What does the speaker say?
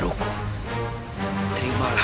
raja ibu nda